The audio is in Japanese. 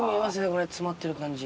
これ詰まってる感じ。